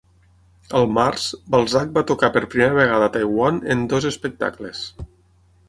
Al març, Balzac va tocar per primera vegada a Taiwan en dos espectacles.